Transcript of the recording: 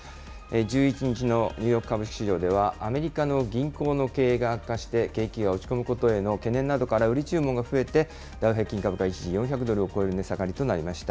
１１日のニューヨーク株式市場では、アメリカの銀行の経営が悪化して、景気が落ち込むことへの懸念などから売り注文が増えて、ダウ平均株価、一時４００ドルを超える値下がりとなりました。